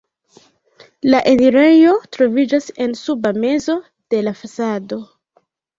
La enirejo troviĝas en suba mezo de la fasado.